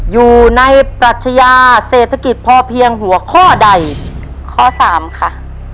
อยู่ในปรัชญาเศรษฐกิจพอเพียงหัวข้อใดข้อสามค่ะ